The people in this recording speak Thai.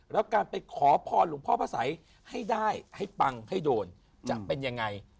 แล้วการไปขอพรหลวงพ่อพระสัยให้ได้ให้ปังให้โดนจะเป็นยังไง